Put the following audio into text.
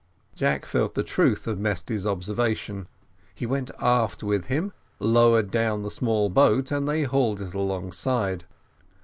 Jack felt the truth of Mesty's observation; he went aft with him, lowered down the small boat, and they hauled it alongside.